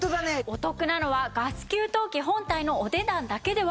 お得なのはガス給湯器本体のお値段だけではございません。